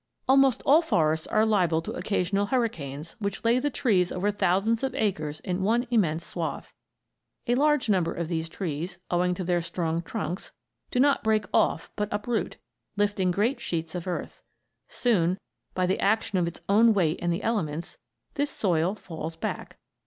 Almost all forests are liable to occasional hurricanes which lay the trees over thousands of acres in one immense swath. A large number of these trees, owing to their strong trunks, do not break off but uproot, lifting great sheets of earth. Soon, by the action of its own weight and the elements, this soil falls back.